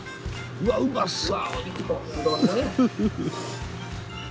うわうまそう！